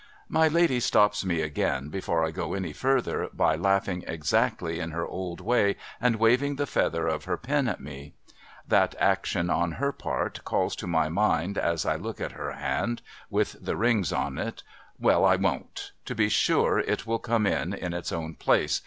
My lady stops me again, before I go any further, by laughing exactly in her old way and weaving the feather of her pen at me. That action on her part, calls to my mind as I look at her hand 144 PERILS OF CERTAIN ENGLISH PRISONERS with the rings on it Well ! I won't ! To be sure it will come in, in its own i)lace.